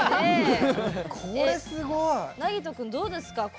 なぎと君、どうですか。